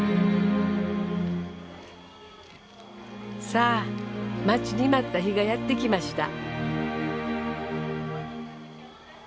さあ待ちに待った日がやって来ました。